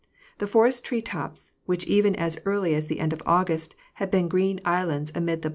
The forest tree tops, which even as early as the end of August had been green islands amid the